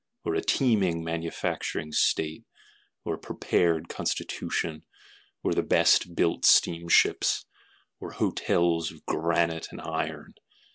Or a teeming manufacturing state? or a prepared constitution? or the best built steamships? Or hotels of granite and iron?